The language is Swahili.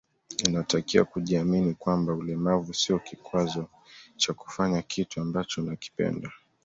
Inatakiwa kujiamini kwamba ulemavu sio kikwazo cha kufanya kitu ambacho unakipenda